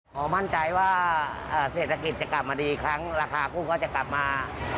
พอมั่นใจว่าเศรษฐกิจจะกลับมาดีครั้งราคากุ้งก็จะกลับมา